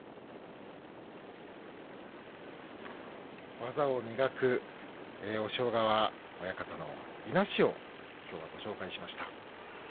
「技を磨く」押尾川親方のいなしをご紹介しました。